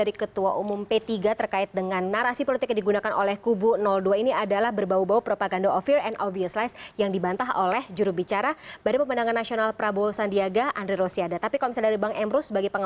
ini narasi politik yang mungkin berbeda ya sebenarnya